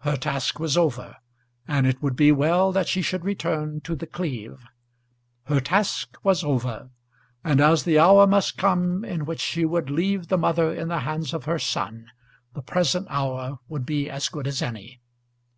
Her task was over, and it would be well that she should return to The Cleeve. Her task was over; and as the hour must come in which she would leave the mother in the hands of her son, the present hour would be as good as any.